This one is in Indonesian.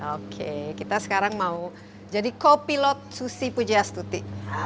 oke kita sekarang mau jadi co pilot susi pujiastuti